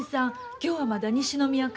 今日はまだ西宮か？